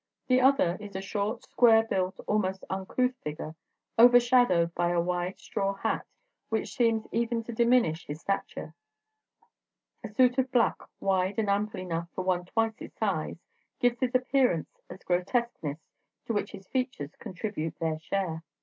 The other is a short, square built, almost uncouth figure, overshadowed by a wide straw hat, which seems even to diminish his stature; a suit of black, wide and ample enough for one twice his size, gives his appearance a grotesqueness to which his features contribute their share.